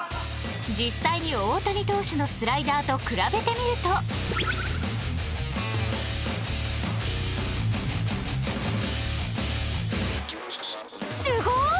実際に大谷投手のスライダーと比べてみるとすごーい！